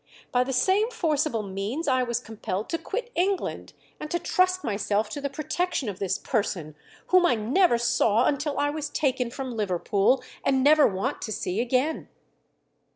By the same forcible means I was compelled to quit England, and to trust myself to the protection of this person, whom I never saw until I was taken from Liverpool, and never want to see again."